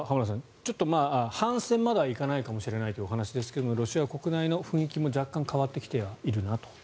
ちょっと反戦までは行かないかもしれないというお話ですがロシア国内の雰囲気も若干変わってきていると。